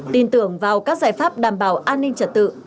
tin tưởng vào các giải pháp đảm bảo an ninh trật tự